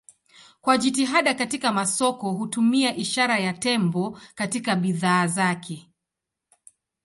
Kwa jitihada katika masoko hutumia ishara ya tembo katika bidhaa zake.